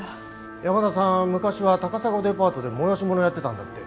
山田さん昔は高砂デパートで催し物やってたんだって。